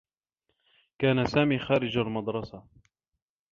كان سامي خارج المدرسة.